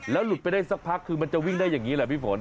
หลุดไปได้สักพักคือมันจะวิ่งได้อย่างนี้แหละพี่ฝน